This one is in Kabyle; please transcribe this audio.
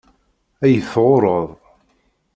Ad yi-tɣurreḍ.